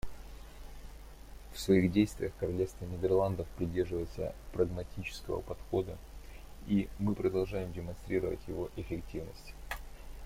В своих действиях Королевство Нидерландов придерживается прагматического подхода, и мы продолжаем демонстрировать его эффективность.